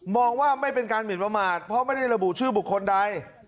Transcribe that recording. ว่าไม่เป็นการหมินประมาทเพราะไม่ได้ระบุชื่อบุคคลใด